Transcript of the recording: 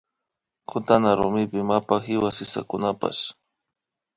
Kutana rumipi mapa kiwa sisakunatapsh